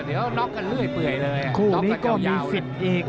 เดี๋ยวน็อกกันเรื่อยเปื่อยเลยคู่นี้ก็มีสิทธิ์อีก